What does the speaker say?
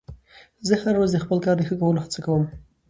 زه هره ورځ د خپل کار د ښه کولو هڅه کوم